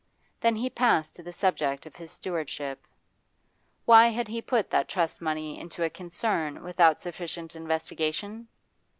Then he passed to the subject of his stewardship. Why had he put that trust money into a concern without sufficient investigation?